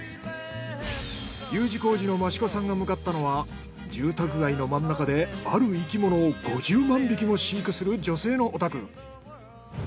Ｕ字工事の益子さんが向かったのは住宅街の真ん中である生き物を５０万匹も飼育する女性のお宅。